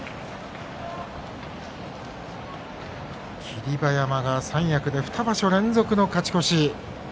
霧馬山が三役で２場所連続の勝ち越し。